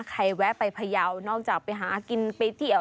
แวะไปพยาวนอกจากไปหากินไปเที่ยว